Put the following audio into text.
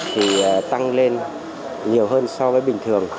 thì tăng lên nhiều hơn so với bình thường